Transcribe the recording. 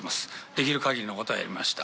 できる限りのことはやりました。